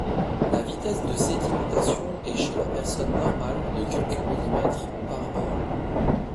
La vitesse de sédimentation est chez la personne normale de quelques millimètres par heure.